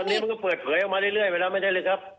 อันนี้มันก็เปิดเผยออกมาเรื่อยไปแล้วไม่ใช่เลยครับ